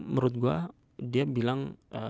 menurut gue dia bilang